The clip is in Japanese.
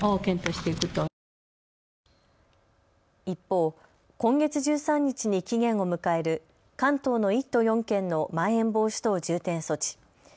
一方、今月１３日に期限を迎える関東の１都４県のまん延防止等重点措置。